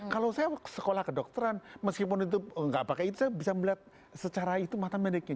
kalau saya sekolah kedokteran meskipun itu nggak pakai itu saya bisa melihat secara itu mata mediknya